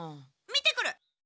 見てくる！